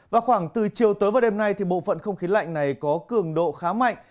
và khoảng từ chiều tới vào đêm nay bộ phận không khí lạnh này có cường độ khá mạnh